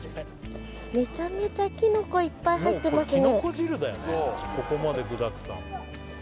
めちゃめちゃきのこいっぱい入ってますね